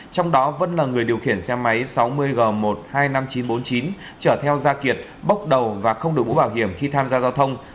trong đó vẫn là người điều khiển xe máy sáu mươi g một trăm hai mươi năm nghìn chín trăm bốn mươi chín trở theo gia kiệt bốc đầu và không đủ bảo hiểm khi tham gia giao thông